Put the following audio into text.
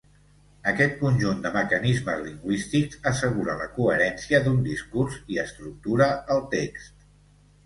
Aquest conjunt de mecanismes lingüístics assegura la coherència d'un discurs i estructura el text.